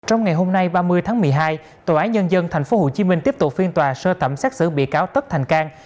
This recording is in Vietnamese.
trong ngày hôm nay ba mươi tháng một mươi hai tòa án nhân dân tp hcm tiếp tục phiên tòa sơ thẩm xét xử bị cáo tất thành cang